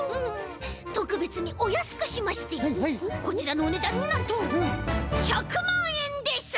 とくべつにおやすくしましてこちらのおねだんなんと１００まんえんです！